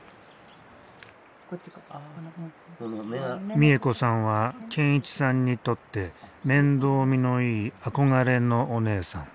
美恵子さんは健一さんにとって面倒見のいい憧れのおねえさん。